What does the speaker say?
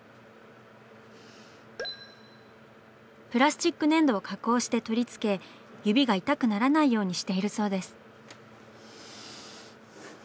プラスチック粘土を加工して取り付け指が痛くならないようにしているそうです。